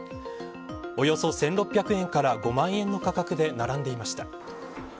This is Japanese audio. およそ１６００円から５万円の価格で並んでいました。